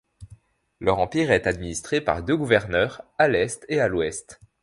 Leur empire est administré par deux gouverneurs, à l’est et à l’ouest.